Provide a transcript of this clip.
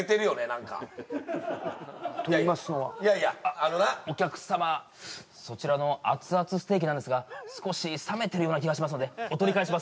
何かと言いますのはいやいやあのなお客様そちらの熱々ステーキなんですが少し冷めてるような気がしますのでお取り替えします